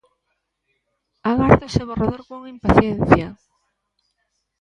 Agardo ese borrador con impaciencia.